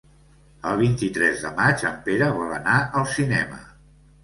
El vint-i-tres de maig en Pere vol anar al cinema.